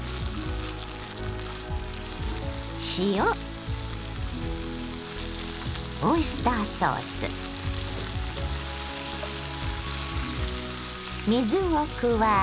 塩オイスターソース水を加え。